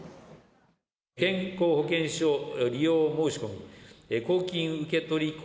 健康保険証利用申し込み、公金受け取り